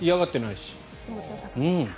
気持ちよさそうでした。